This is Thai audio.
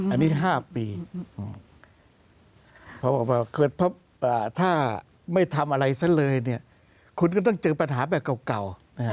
อันนี้๕ปีเพราะว่าถ้าไม่ทำอะไรซะเลยเนี่ยคุณก็ต้องเจอปัญหาแบบเก่า